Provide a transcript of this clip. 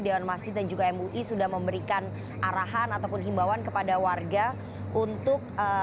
dewan masjid dan juga mui sudah memberikan arahan ataupun himbawan kepada warga untuk